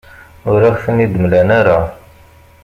Ur aɣ-ten-id-mlan ara.